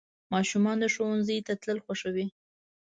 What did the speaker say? ماشومان ښوونځي ته تلل خوښوي.